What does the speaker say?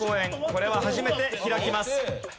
これは初めて開きます。